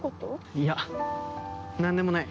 いやなんでもない。